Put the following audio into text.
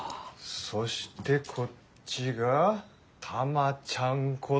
そしてこっちがタマちゃんこと。